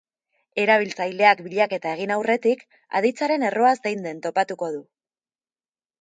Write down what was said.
Erabiltzaileak bilaketa egin aurretik, aditzaren erroa zein den topatuko du.